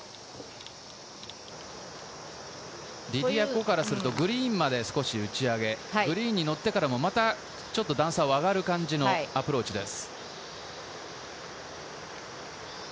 リディア・コからするとグリーンまで少し打ち上げ、グリーンにのってからも、またちょっと段差を上がる感じのアプローチです。